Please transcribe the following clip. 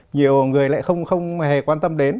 nhiều người lại không hề quan tâm đến